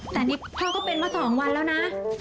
แต่นี่พ่อก็เป็นมาสองวันแล้วนะ